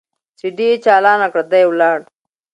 سي ډي يې چالانه کړه دى ولاړ.